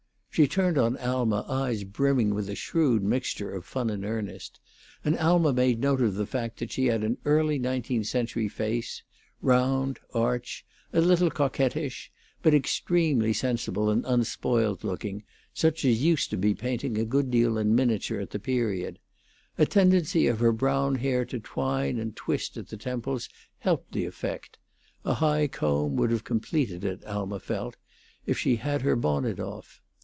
She turned on Alma eyes brimming with a shrewd mixture of fun and earnest, and Alma made note of the fact that she had an early nineteenth century face, round, arch, a little coquettish, but extremely sensible and unspoiled looking, such as used to be painted a good deal in miniature at that period; a tendency of her brown hair to twine and twist at the temples helped the effect; a high comb would have completed it, Alma felt, if she had her bonnet off.